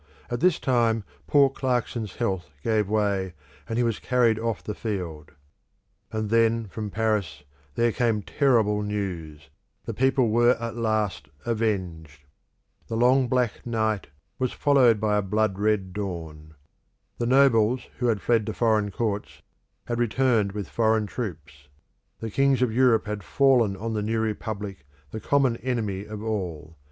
At this time poor Clarkson's health gave way, and he was carried off the field. And then from Paris there came terrible news; the people were at last avenged. The long black night was followed by a blood red dawn. The nobles who had fled to foreign courts had returned with foreign troops; the kings of Europe had fallen on the new republic, the common enemy of all.